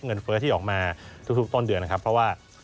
เฟ้อที่ออกมาทุกต้นเดือนนะครับเพราะว่า